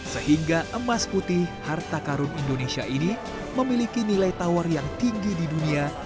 sehingga emas putih harta karun indonesia ini memiliki nilai tawar yang tinggi di dunia